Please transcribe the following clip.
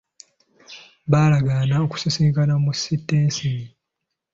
Baalagaana okusisinkana mu sitenseni.